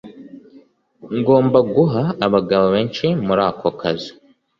Ngomba guha abagabo benshi muri ako kazi